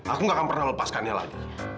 aku gak akan pernah melepaskannya lagi